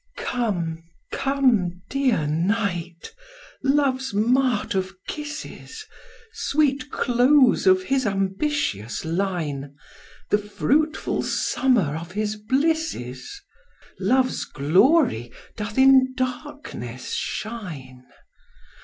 _ Come, come, dear Night! Love's mart of kisses, Sweet close of his ambitious line, The fruitful summer of his blisses! Love's glory doth in darkness shine.